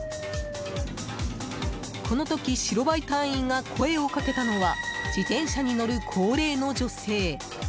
この時、白バイ隊員が声をかけたのは自転車に乗る高齢の女性。